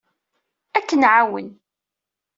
Ad k-nɛawen.